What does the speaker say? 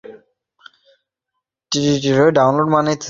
তখন সুচরিতা বিনয়কে কহিল, মাসির সঙ্গে অনেক দিন আপনার দেখা হয় নি।